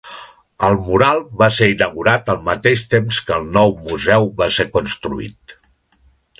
El mural va ser inaugurat al mateix temps que el nou museu va ser construït.